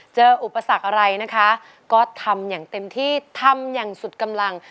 อุปสรรคอะไรนะคะก็ทำอย่างเต็มที่ทำอย่างสุดกำลัง